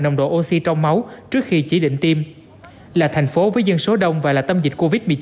nồng độ oxy trong máu trước khi chỉ định tiêm là thành phố với dân số đông và là tâm dịch covid một mươi chín